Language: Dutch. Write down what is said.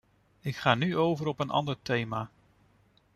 Ik ga nu over op een ander thema.